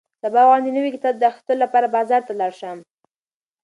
سبا غواړم د نوي کتاب د اخیستلو لپاره بازار ته لاړ شم.